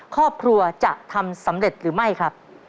ครอบครัวจะทำสำเร็จหรือไม่ครับ